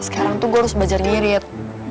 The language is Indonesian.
sekarang tuh gue harus belajar mirip